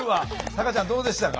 タカちゃんどうでしたか？